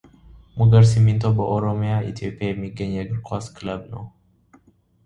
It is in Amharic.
ሙገር ሲሚንቶ በኦሮሚያ ኢትዮጵያ የሚገኝ የእግር ኳስ ክለብ ነው።